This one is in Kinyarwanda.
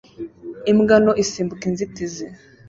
Imbwa nto isimbuka inzitizi